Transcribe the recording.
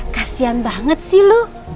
kasian banget sih lu